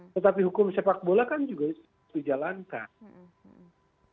tetapi hukum sepakbola kan juga harus dijalankan